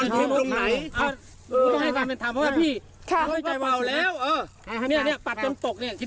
กันกว่ายังไม่มีทำไมไม่ตั้งเป็นพี่